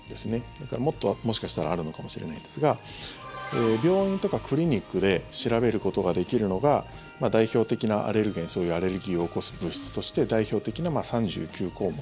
だから、もっともしかしたらあるのかもしれないんですが病院とかクリニックで調べることができるのが代表的なアレルゲンそういうアレルギーを起こす物質として、代表的な３９項目。